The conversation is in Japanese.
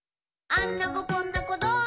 「あんな子こんな子どんな子？